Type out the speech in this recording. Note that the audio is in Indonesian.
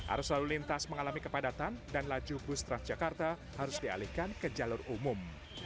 arus lalu lintas mengalami kepadatan dan laju bus transjakarta harus dialihkan ke jalur umum